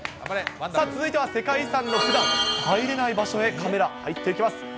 続いては世界遺産のふだん、入れない場所へカメラ、入っていきます。